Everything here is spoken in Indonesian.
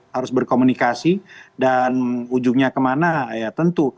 harus berkomunikasi dan ujungnya kemana ya tentu